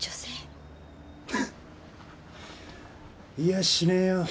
フッいやしねえよ